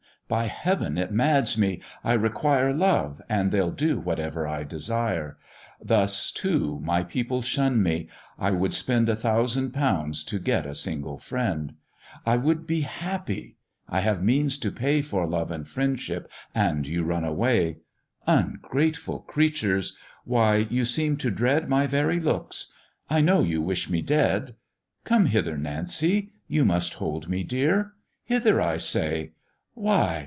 By Heav'n, it mads me; I require Love, and they'll do whatever I desire: Thus too my people shun me; I would spend A thousand pounds to get a single friend; I would be happy I have means to pay For love and friendship, and you run away: Ungrateful creatures! why, you seem to dread My very looks; I know you wish me dead. Come hither, Nancy! you must hold me dear; Hither, I say; why!